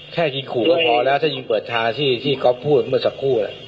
แค่ยิงขู่ก็พอแล้วถ้ายิงเปิดทางที่ก๊อฟพูดเมื่อสักครู่